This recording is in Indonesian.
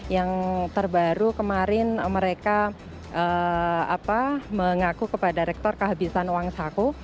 yang terbaru kemarin mereka mengaku kepada rektor kehabisan uang saku